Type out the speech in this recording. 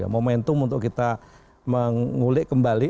momentum untuk kita mengulik kembali